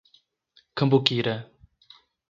Cambuquira